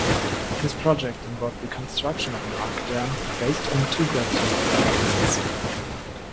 This project involved the construction of an arch dam, based on two gravity abutments.